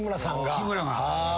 志村が。